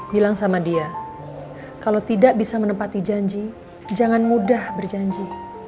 bilang sama dia kalau tidak bisa menepati janji jangan mudah berjanji